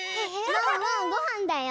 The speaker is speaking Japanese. ワンワンごはんだよ。